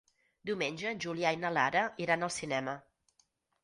Diumenge en Julià i na Lara iran al cinema.